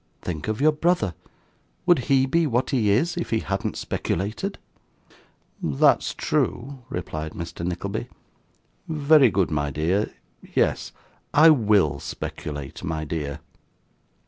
Think of your brother! Would he be what he is, if he hadn't speculated?' 'That's true,' replied Mr. Nickleby. 'Very good, my dear. Yes. I WILL speculate, my dear.